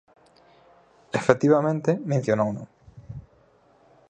Efectivamente, mencionouno.